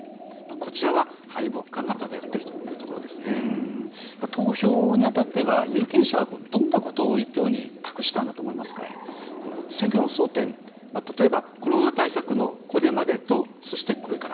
こちらは、敗北感が投票にあたっては有権者はどんなことを選挙の争点例えば、コロナ対策のこれまでとそしてこれから。